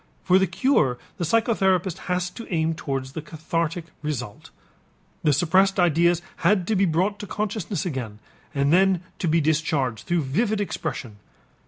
For the cure the psychotherapist has to aim toward the cathartic result. The suppressed ideas had to be brought to consciousness again and then to be discharged through vivid expression.